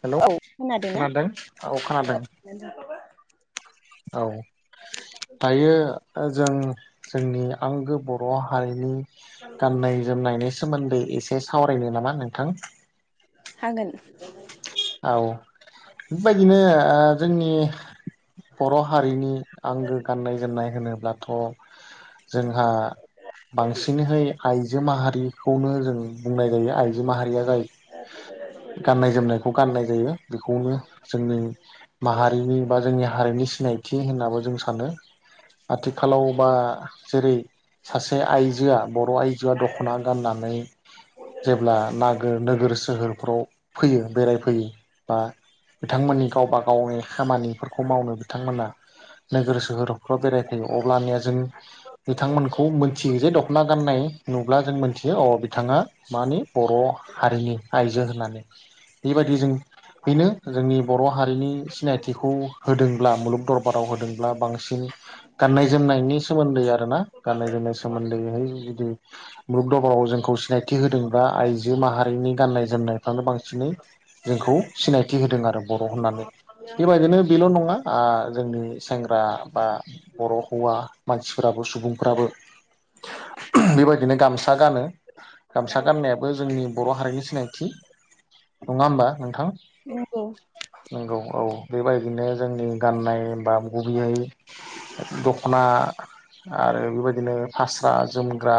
हेल औ खोनादोंना खाोनादों औ खोनादों। औ दायो ओ जों जोंनि आंगो बर' हारिनि गाननाय जोमनायनि सोमोन्दै ए से सावरायनो नामा नोंथां? हागोन। औ बेबायदिनो ओ जोंनि बर हारिनि आंगो गाननाय जोमनाय होनोब्लाथ‌ जोंहा बांसिनहै आइजो माहारिखौनो जों बुंनाय जायो आइजो माहारिया जाय गाननाय जोमनाय गाननाय जायो बेखौनो जोंनि माहारिनि बा जोंनि हारिनि सिनायथि थि होननाबो जों सानो। आथिखालाव बा जेरै सासे आइजोआ बर आइजोआ दखना गाननानै जेब्ला नागोर नोगोर सोहोरफ्राव फैयो बेराय बा बिथांमोननि गावबा गावनि खामानिफोरखौ मावनो बिथांमोना नोगोर सोहोरावफ्राव बेराय अब्लानिया जों बिथांमोनखौ मिथियो जे दखना गाननाय नुब्ला जों मोनथियो अ बिथाङा मानि बर हारिनि आइजो होननानै [inaudible] बेबायदि जों बेनो जोंनि बर हारिनि सिनायथिखौ होदोंब्ला मुलुग दरबाराव होदोंब्ला बांसिन गाननाय जोमनायनि सोमोनदै आरोना गाननाय जोमनाय सोमोनदैहाय बिदि मुलुग दरबाराव जोंखौ सिनाय होदोंब्ला आइजो माहारि बेनि गाननाय जोमनायफ्रानो बांसिनै जोंखौ सिनायथि होदों आरो बर होननानै बेबायदिनो बेल‌'नङा आ जोंनि सेंग्रा बा बर' हौवा मानसिफोराबो सुबुंफ्राबो बेबायदिनो गामसा गानो गामसा गाननायाबो जोंनि बर' हारिनि सिनायथि नङा होमबा नोंथां नंगौ नंगौ औ बेबायदिनो जोंनि गाननाय बा गुबैयै दखना आरो बेबायदिनो फास्रा, जोमग्रा,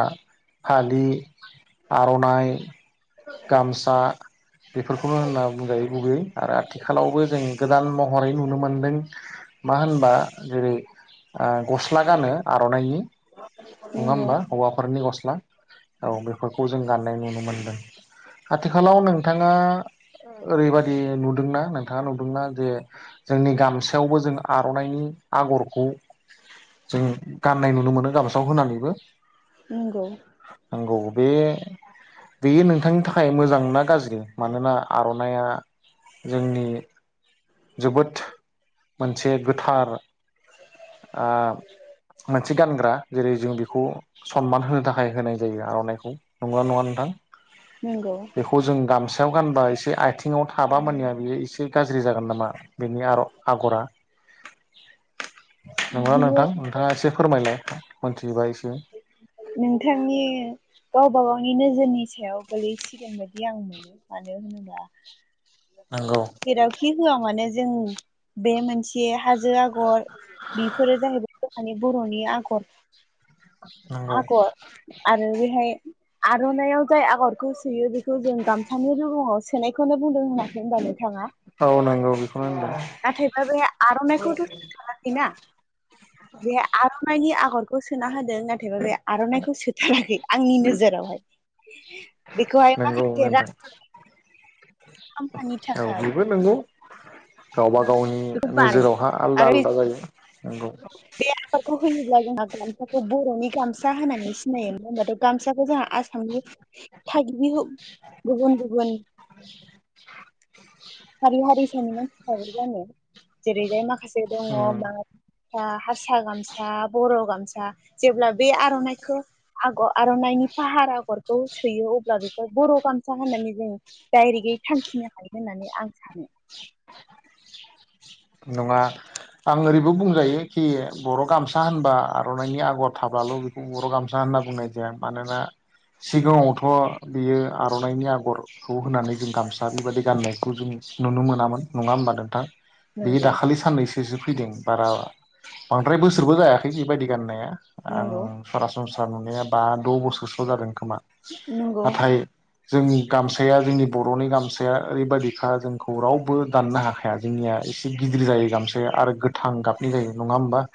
फालि, आरननाइ गामसा बेफोरखौल होनना बुंजायो गुबैयै आरो आथिखालावबो जों गोदान महरै नुनो मोनदों मा होनबा जेरै ओ गस्ला गानो आरननाइनि नङा नंगौ होमबा हौवाफोरनि गस्ला औ बेफोरखौ जों गाननाय नुनो मोनदों आथिखालाव नोंथाङा ओरैबादि नुदोंना नोंथाङा नुदोंना जे जोंनि गामसायावबो जों आरननाइनि आगरखौ जों गाननाय नुनो मोनो गाबो फोराव होनानैबो नंगौ नंगौ बे बेयो नोंथांनि थाखाय मोजां ना गाज्रि मानोना आरननाइया जोंनि जोबोद मोनसे गोथार ओ मोनसे गानग्रा जेरै जों बेखौ सनमान होनो थाखाय होनाय जायो आरननाइखौ नगौ ना नङा नोंथां? नंगौ बेखौ जों गामसा गानबा एसे आथिंङाव थाबा मोने बेयो एसे गाज्रि जागोन नामा बेनि आगरा नंगोना बियो नोंथां नोंथाङा एसे फोरमायलाय खनथिबा इसे नोंथांनि गावबा गावनि नोजोरनि सायाव गोलैसिगोन बायदि आं मोनो मानो होनोबा नंगौ जेरावखि होआ मानो जों बे मोनसे हाजो आग र बेफोरो जाहैबाय बर'नि आगर [inaudible] आगर आरो बेहाय आरननाइयाव जाय आगरखौ सोयो बेखौ जों गामसानि रुगुङाव सोनायखौनो बुंदों होनाखै होनबा नों ङा औ नंगौ बेखौनो होनदों नाथायबा बे आरननाइखौथ होनो थाङाखैना। बे आरननाइनि आगर खौ सोना होदों नाथायबा बे आरननाइखौ सोथाराखै आंनि नोजोराव बेखौहाय नंगौ माखासे नोंथां खामफानि औ थाखाय बेबो नंगौ गावबा गावनि बेखौ बानायो नोजोरावहा आलदा आरो आलदा जायो नंगौ। बे आगरखौ होयोब्ला जोंहा गामसाखौ बर'नि गामसा होननानै सिनायो मानो होनबाथ गामसाखौ जोंहा आसामनि थागिबि हो गुबुन गुबुन हारि हारिसानि मान सिबै गानो जेरैजाय माख खासे दङ उम बा सा हारसा गामसा बर' गाम सा जेब्ला बे आर'नाइखौ आगर आर'नाइनि फाहार आगर खौ सोयो। अब्ला बेखौ बर' गामसा होननानै जों डाइरेक्टयै थांखिनो हायो होननानै आं सानो नङा आं ओरैबो बुंजायो खि बर' गामसा होनबा आर'नाइनि आगर थाबल बेखौ बर' गामसा होनना बुंनाय जाया। मानोना सिगाङावथ बियो आर'नाइनि आगर खौ होनानै जों गामसा बेबायदि गाननायखौ जों नुनो मोनामोन। नङा होमबा नोंथां। बेयो नंगौ दाखालि साननै सो फैदों बारा बांद्राय बोसोरबो जायाखै बेबायदि गाननाया। आं नंगौ सरासन स्रा नुनाया बा द बोसोरसोल जादों। खोमा नंगौ नाथाय जोंनि गामसाया जोंनि बर'नि गामसाया ओरैबायदिखा जोंखौ रावबो दाननो हाखाया जोंनिया। गिदिर जायो गामसाया आरो गोथां गाबनि जायो नङा होमबा?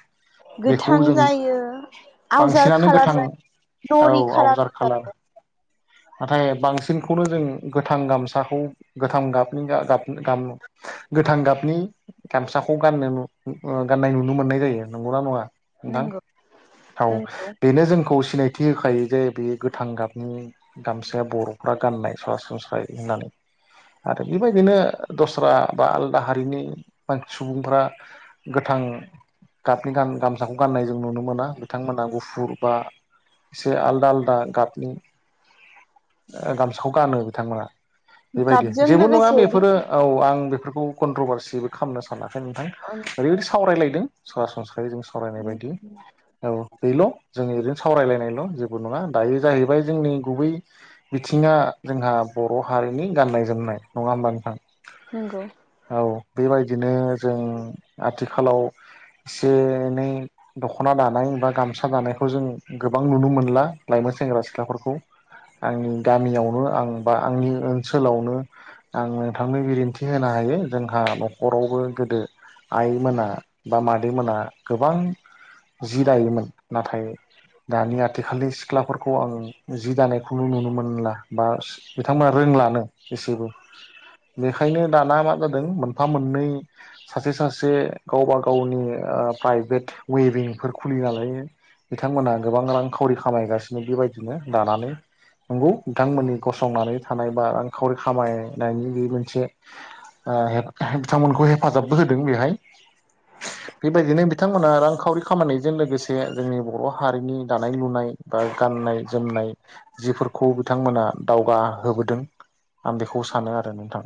बेखौ गोथां जों जायो आवजार बांसिनानो खालार गोथां जायो औ नरि आवजार खालारबो खालार जायो। नाथाय बांसिनखौनो जों गोथां गामसाखौ गोथां गाबनि [unintelligible] गोथां गाबनि गामसाखौ गाननो नु गाननाय नुनो मोननाय जायो नंगौना नङा नंगौ नोंथां औ नंगौ बेनो जोंखौ सिनायथि होखायो जे बे गोथां गाबनि गामसाया बर'फ्रा गाननाय सरासनस्रायै होननानै आरो बेबायदिनो दस्रा बा आलादा हारिनि बां सुबुंफ्रा गोथां गाबनि गान गामसाखौ गाननाय जों नुनो मोना बिथांमोना गुफुर बा एसे आलदा आलदा गाबनि ओ गामसाखौ गानो बिथांमोना। बेबायदि गाबजों जेबो नङा लोगोसे बि बेफोरो औ आं बेफोरखौ कन्ट्रभारसि खामनो सा सानाखै नोंथां ओैरैबायदि सावरायलाय दों सरासन दा बे जों सावरायनाय बायदि औ बेल' जों ओरैनो सावरायलायनायल' जेबो नङा दायो जाहैबाय जोंनि गुबै बिथिङा जोंहा बर' हारिनि गाननाय जोमनाय। नङा होमबा नोंथां? नोंगौ औ बेबायदिनो जों आथिखालाव एसे एनै दख'ना दानाय बा गामसा दानायखौ जों गोबां नुनो मोनला लाइमोन सेंग्रा सिख्लाफोरखौ आंनि गामियावनो आं बा आंनि ओनसोलावनो आं नोंथांनो बिदिन्थि होनो हायो जोंहा न' खरावबो गोदो आइ मोना बा मादै मोना गोबां जि दायोमोन नाथाय दानि आथिखालनि सिख्लाफोरखौ आं जि दानायखौनो नुनो मोनला बा बिथांमोना रोंलानो। एसेबो बेखायनो दाना मा जादों मोन फा मोननै सासे सासे गावबा गावनि ओ प्राइभेट वेभिंफोर खुलिना लायो बिथांमोनहा गोबां रां खावरि खामायगास सिनो बेबायदिनो दानानै नंगौ बिथांमोननि गसंनानै थानाय बा रांखावरि खामायनायनि बे मोनसे ओ हेफा बिथांमोनखौ हेफाजाबबो होदों बेहाय बेबायदिनो बिथांमोना रांखावरि खामनायजों लोगोसे जोंनि बर' हारिनि दानाय लुनाय बा गाननाय जोमनाय जिफोरखौ बिथांमोना दावगाहोबोदों आं बेखौ सानो आरो नोंथां।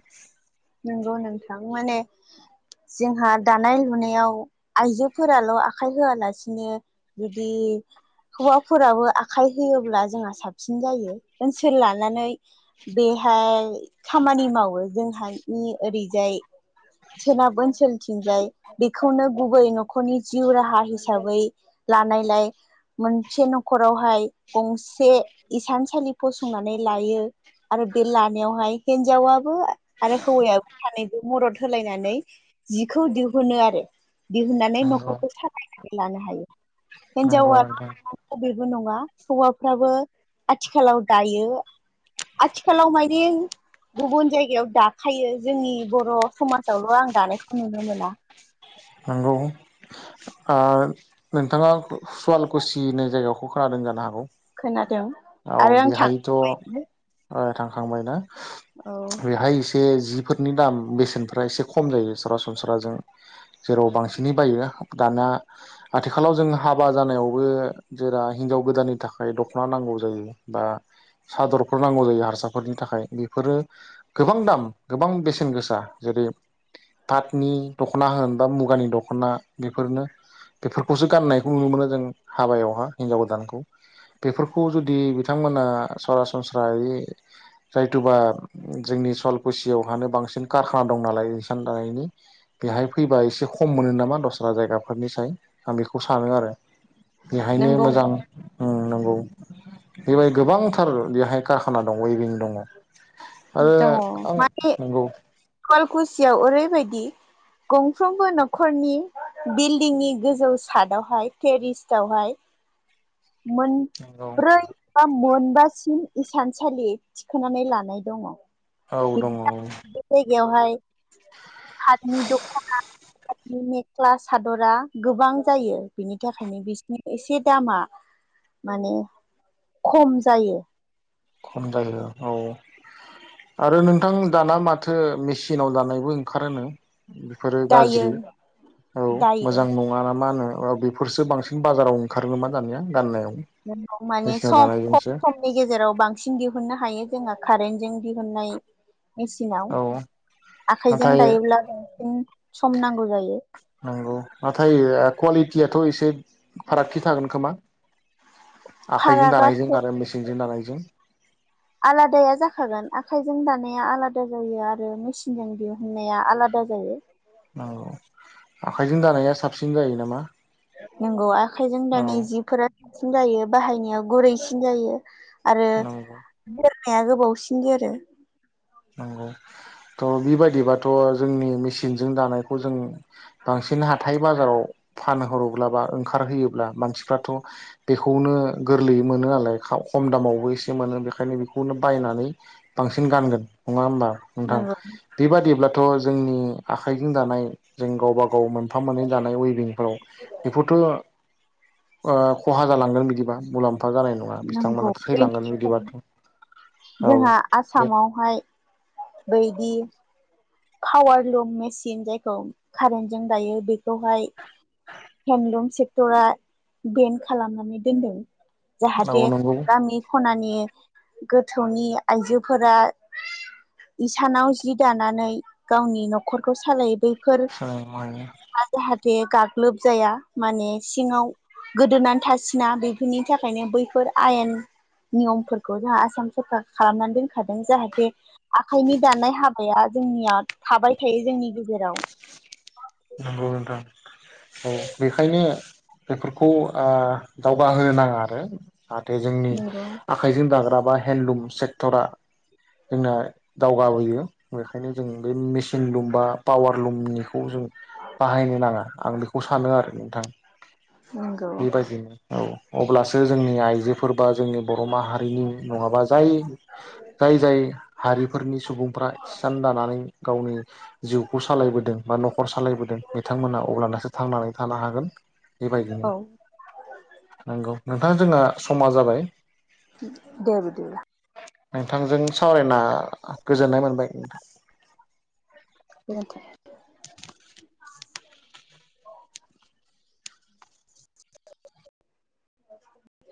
नंगौ नोंथां माने जोंहा दानाय लुनायाव आइजोफोराल' आखाइ होआलासिनो जुदि हौवाफोराबो आखाइ होयोब्ला जोंहा साबसिन जायो। ओनसोल लानानै बेहाय खामानि मावो जोंहा नि ओरैजाय सोनाब ओनसोलथिंजाय बेखौनो गुबै न'खरनि जिउ राहा हिसाबै लानायलाय मोनसे न'खरावहाय गंसे इसानसालि फसंनानै लायो आरो बे लानायावहाय हिनजावाबो आरो हौवायाबो सानैबो मदद होलायनानै जिखौ दिहुनो आरो। दिहुननानै नंगौ न'खरखौ सालायनो लानो हायो। नंगौ हिनजावा नोंथां [unintelligible] बो नङा हौवाफ्राबो आथिखालाव दायो आथिखालाव माइरें गुबुन जायगायाव दा खायो जोंनि बर' समाजावल' आं दानायखौ नुनो मोना। नोंगौ ओ नोंथाङा सुवालकुसि होननाय जायगाखौ खोनादों जानो हागौ। खोनादों औ आरो आं थां [inaudible] बायबो थांबायना? बेहाय इसे जिफोरनि दाम बेसेनफ्रा एसे खम जायो सरासनस्राजों जेराव बांसिनै बायो दाया आथिखालाव जों हाबा जानायावबो जेरा हिनजाव गोदाननि थाखाय दख'ना नांगौ जायो बा सादरफोर नांगौ जायो हारसाफोरनि थाखाय बेफोरो गोबां दाम गोबां बेसेन गोसा जेरै फातनि दख'ना होन बा मुगानि दख'ना बेफोरनो बेफोरखौसो गाननायखौ नुनो मोनो जों हाबायावहा हिनजाव गोदानखौ बेफोरखौ जुदि बिथांमोना सरासनस्रायै जायथुबा जोंनि सवालकुसियावहानो बांसिन कारखाना दं नालाय इसान दानायनि बेहाय फैबा एसे खम मोनो नामा दस्रा जायगा फोरनि साय आं बेखौ सानो आरो बेहायनो नोंगौ मोजां नांगौ बेबायदि गोबांथार बेहाय कारखाना दङ वेइभिं दङ नंगौ हुवालकुसियाव ओरैबायदि गंफ्रोमबो न'खरनि बिल्डिंनि गोजौ सादावहाय टेरिस्वहाय मोन नंगौ ब्रै मोनबासिम इसानसालि थिखोनानै लानाय दङ औ [unintelligible] बे दङ जायगायाव हाय पाठनि दखना पाठनि मेक्ला सादरा गोबां जायो बिनि थाखायनो बिसिनि एसे दामा माने खम जायो खम जायो औ आरो नोंथां दाना माथो मेचिनाव दानायबो ओंखारोनो बेफोरो दायो गाज्रि औ दायो मोजां नङा ना मा नो औ बेफोरसो बांसिन बाजाराव ओंखारोम [unintelligible] मा दानिया गाननायाव नोंगौ माने मेचिनाव सम खम दानायजोंसो समनि गेजेराव बांसिन दिहुननो हायो जोङो कारेन्टजों दिहुननाय मेचिनाव औ आखाइजों नाथाय दायोब्ला बांसिन सम नांगौ जायो थ' इसे फारागथि थागोन खोमा आखाइजों दानायजों फारागाथ' आरो मेसेंजों दानायजों आलादाया जाखागोन आखाइजों दानाया आलादा जायो आरो मेसिनजों दिहुननाया आलादा जायो औ आखाइजों दानाया साबसिन जायो नामा नोंगौवा आखाइजों औ दानाय जिफोरा साबसिन जायो बाहायनायाव गुरैसिन जायो आरो नंगौ बे हाया गोबावसिन जोरो नंगौ थ' बिबायदिबाथ' जोंनि मेसिनजों दानायखौ जों बांसिन हाथाय बाजाराव फानहरोब्ला बा ओंखारहोयोब्ला मानसिफ्राथ' बेखौनो गोरलैयै मोनो नालाय खम दामावबो एसे मोनो बेखायनो बेखौ बेखौनो बायनानै बांसिन गानगोन नङा होमबा नोंथां नंगौ बेबादिब्लाथ' जोंनि आखाइजों दानाय जों गावबा गाव मोन एफाम [unintelligible] मोननै जानाय वेभिंफोराव बेखौथ' ओ ख'हा जालांगोन बिदिबा मुलामफा नंगौ [unintelligible] औ जोंहा बे आसामावहाय बैदि पावारलुम मेसिन जायखौ कारेन्टजों दायो बेखौहाय हेन्दलुम सेक्टरा बेन खालामनानै दोनदों औ जाहाथे नंगौ गामि खनानि गोथौनि आइजोफोरा इसानाव जि दानानै गावनि नखरखौ सालायो बेफोर [unintelligible] जाहाथे गाग्लोब जाया माने सिङाव गोदोनानै थासिना बेफोरनि थाखायनो बैफोर आयेन नियमफोरखौ जोंहा आसाम सरकार खालामनानै दोनखादों जाहाथे आखाइनि दानाय हाबाया जोंनिया थाबाय थायो जोंनि गेजेराव नंगौ नोंथां औ बेखायनो बेफोरखौ ओ दावगाहोनो नाङा आरो जाहाथे जोंनि नंगौ आखाइजों दाग्रा बा हेनलुम सेक्ट'रा जोंना दावगाबोयो बेखायनो जों बे मेसिन लुम बा पावार लुमनिखौ जों बाहायनो नाङा आं बेखौ बेखौ सानो आरो नोंथां नंगौ बेबायदिनो औ अब्लासो जोंनि आइजोफोर बा जोंनि बर' माहारिनि नङाबा जाय जाय जाय हारिफोरनि सुबुंफ्रा हिसान दानानै गावनि जिउखौ सालायबोदों बा नखर बिथांमोना अब्लानासो थांनानै थानो हागोन बेबायदिनो औ नंगौ नोंथां जोंना समा जाबाय दे बिदिब्ला नोंथांजों सावरायना गोजोननाय मोनबाय नोंथां। गोजोनथों [unintelligible]